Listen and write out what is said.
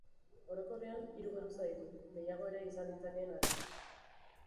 Orokorrean hiru geruza ditu, gehiago ere izan ditzakeen arren.